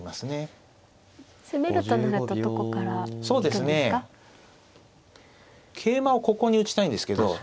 そうですね桂馬をここに打ちたいんですけど。